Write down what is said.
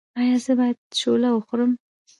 ایا زه باید شوله وخورم؟